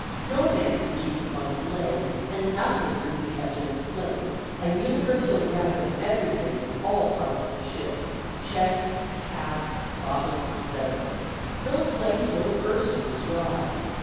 No man could keep upon his legs and nothing could be kept in its place; an universal wreck of everything in all parts of the ship, chests, casks, bottles, etc. No place or person was dry.